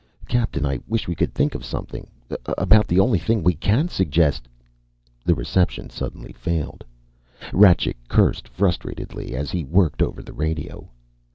Captain, I wish we could think of something. About the only thing we can suggest " The reception suddenly failed again. Rajcik cursed frustratedly as he worked over the radio.